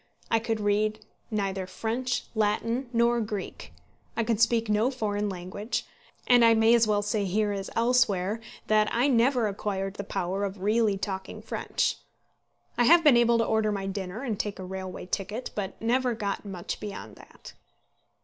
I could read neither French, Latin, nor Greek. I could speak no foreign language, and I may as well say here as elsewhere that I never acquired the power of really talking French. I have been able to order my dinner and take a railway ticket, but never got much beyond that.